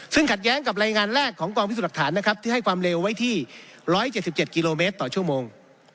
ซึ่งขัดแย้งกับรายงานแรกของกองพิสูจน์หลักฐานนะครับที่ให้ความเร็วไว้ที่๑๗๗กิโลเมตรต่อชั่วโมง